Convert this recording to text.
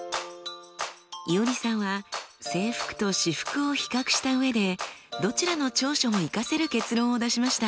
いおりさんは制服と私服を比較した上でどちらの長所も生かせる結論を出しました。